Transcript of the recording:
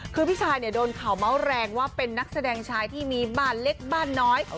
คือพี่ชายเนี่ยโดนข่าวเมาส์แรงว่าเป็นนักแสดงชายที่มีบ้านเล็กบ้านน้อย